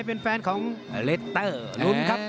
เป็นแฟนของเลสเตอร์ลุ้นครับ